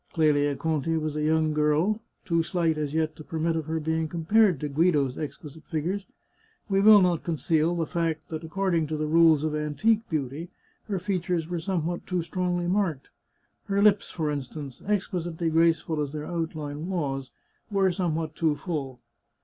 Clelia Conti was a young girl, too slight as yet to permit of her being compared to Guido's exquisite figures ; we will not conceal the fact that, according to the rules of antique beauty, her features were somewhat too strongly marked. Her lips, for instance, exquisitely graceful as their outline was, were somewhat too full.